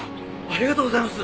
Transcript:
ありがとうございます！